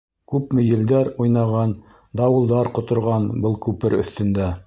Күпме елдәр уйнаған, дауылдар ҡоторған был күпер өҫтөндә.